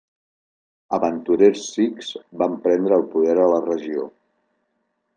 Aventurers sikhs van prendre el poder a la regió.